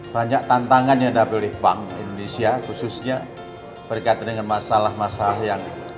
banyak tantangan yang dihadapi oleh bank indonesia khususnya berkaitan dengan masalah masalah yang